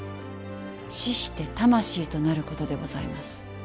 死して魂となることでございます。